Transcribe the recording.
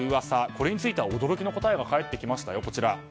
これについては驚きの答えが返ってきました。